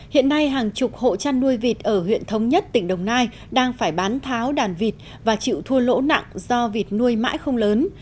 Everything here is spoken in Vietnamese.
hiện nay hàng chục hộ chăn nuôi vịt ở huyện thống nhất tỉnh đồng nai đang phải bán tháo đàn vịt và chịu thua lỗ nặng do vịt nuôi mãi không lớn